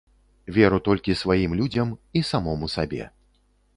Веру толькі сваім людзям і самому сабе.